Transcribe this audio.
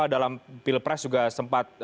dalam pilpres juga sempat